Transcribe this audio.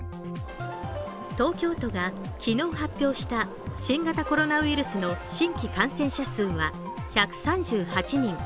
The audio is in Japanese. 東京都が昨日発表した新型コロナウイルスの新規感染者数は１３８人。